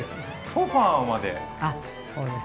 ソファーまで。